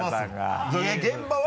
現場は？